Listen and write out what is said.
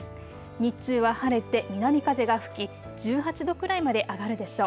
日中は晴れて南風が吹き１８度くらいまで上がるでしょう。